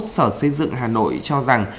sở xây dựng hà nội cho rằng